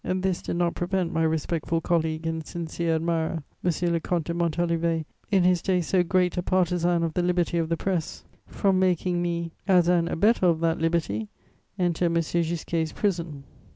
This did not prevent my "respectful colleague and sincere admirer," M. le Comte de Montalivet, in his day so great a partisan of the liberty of the press, from making me, as an abettor of that liberty, enter M. Gisquet's prison.